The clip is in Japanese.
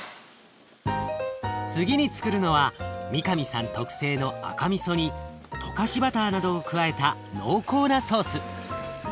次につくるのは三上さん特製の赤みそに溶かしバターなどを加えた濃厚なソース。